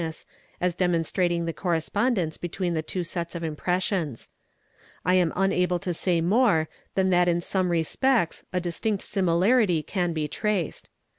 SAE OORT 286 THE EXPERT as demonstrating the correspondence between the two sets of impres sions. I am unable to say more than that in some respects a distinct similarity can be traced.